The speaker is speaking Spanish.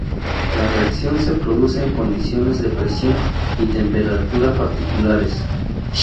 La reacción se produce en condiciones de presión y temperatura particulares.